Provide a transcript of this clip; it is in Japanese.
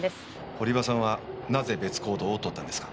堀場さんはなぜ別行動をとったんですか？